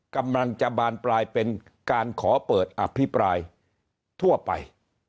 กำลังจะบานปลายเป็นการขอเปิดอภิปรายทั่วไป